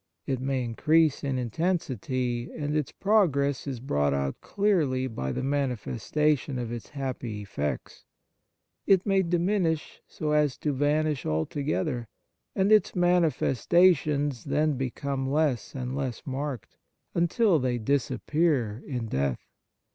It may increase in intensity, and its progress is brought out clearly by the manifestation of its happy effects ; it may diminish so as to vanish alto gether, and its manifestations then become less and less marked, until they disappear in death.